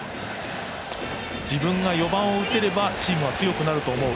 自分が４番を打てればチームは強くなると思う。